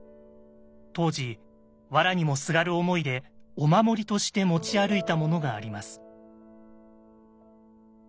当時わらにもすがる思いでお守りとして持ち歩いたものがあります。